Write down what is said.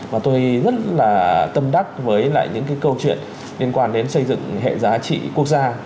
và tôi rất là tâm đắc với lại những cái câu chuyện liên quan đến xây dựng hệ giá trị quốc gia